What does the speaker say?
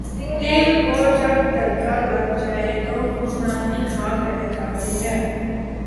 دل کو جب دھڑکا لگ جائے تو حکمرانی خاک رہ جاتی ہے۔